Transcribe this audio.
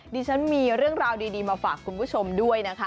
ดิฉันมีเรื่องราวดีมาฝากคุณผู้ชมด้วยนะคะ